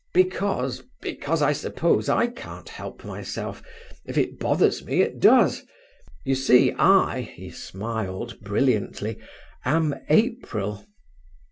"Because—because I suppose I can't help myself—if it bothers me, it does. You see, I"—he smiled brilliantly—"am April."